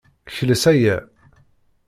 Kles aya.